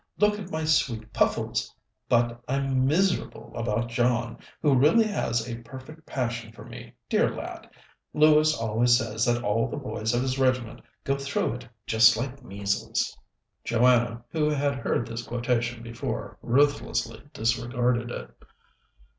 Look at my sweet Puffles! But I'm miserable about John, who really has a perfect passion for me, dear lad. Lewis always says that all the boys of his regiment go through it, just like measles." Joanna, who had heard this quotation before, ruthlessly disregarded it.